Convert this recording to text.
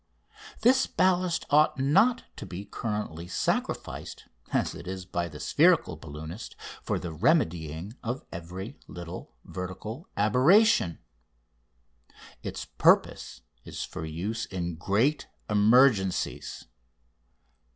This ballast ought not to be currently sacrificed, as it is by the spherical balloonist, for the remedying of every little vertical aberration. Its purpose is for use in great emergencies.